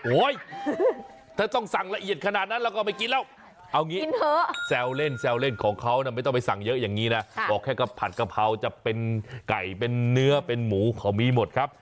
ถ้าต้องสั่งละเอียดขนาดนั้นเราก็ไม่กินแล้วเอางี้กินเถอะแซวเล่นแซวเล่นของเขานะไม่ต้องไปสั่งเยอะอย่างนี้นะบอกแค่ผัดกะเพราจะเป็นไก่เป็นเนื้อเป็นหมูเขามีหมดครับ